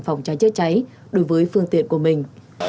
phòng cháy chữa cháy đối với phương tiện của mình